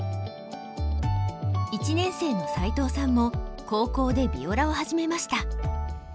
１年生の齋藤さんも高校でヴィオラを始めました。